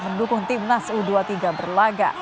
mendukung timnas u dua puluh tiga berlaga